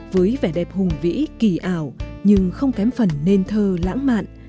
với vẻ đẹp hùng vĩ kỳ ảo nhưng không kém phần nên thơ lãng mạn